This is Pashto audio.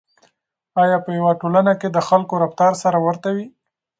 آیا په یوه ټولنه کې د خلکو رفتار سره ورته وي؟